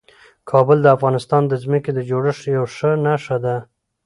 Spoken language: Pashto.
کابل د افغانستان د ځمکې د جوړښت یوه ښه نښه ده.